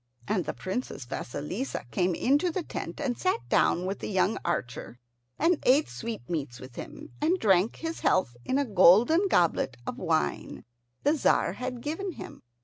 And the Princess Vasilissa came into the tent and sat down with the young archer, and ate sweetmeats with him, and drank his health in a golden goblet of the wine the Tzar had given him.